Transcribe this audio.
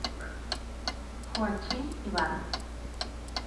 Joachim Ibarra.